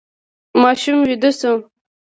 ماشوم ویده شو.